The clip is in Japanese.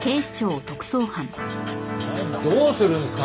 どうするんですか？